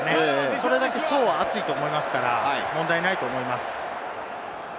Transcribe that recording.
それだけ層は厚いと思いますから、問題ないと思います。